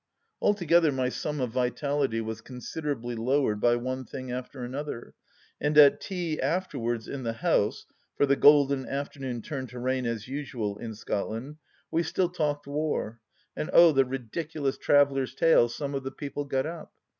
Altogether my sum of vitality was considerably lowered by one thing after another, and at tea afterwards in the house — for the golden afternoon turned to rain as usual in Scotland — we still talked War, and oh, the ridiculous travellers' tales some of the people got up